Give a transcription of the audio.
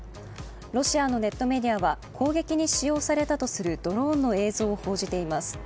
ロシアのネットメディアは攻撃に使用されたとするドローンの映像を報じています。